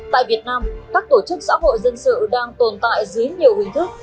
tại việt nam các tổ chức xã hội dân sự đang tồn tại dưới nhiều hình thức